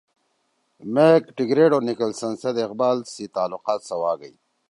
میگ ٹیگرٹ او نیکلسن سیت اقبال سی تعلُقات سواگئی